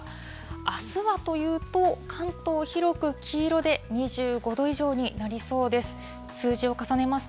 あすはというと、関東、広く黄色で、２５度以上になりそうです。